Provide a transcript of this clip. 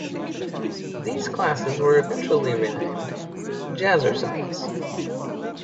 These classes were eventually renamed Jazzercise.